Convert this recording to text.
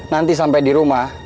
nanti sampai di rumah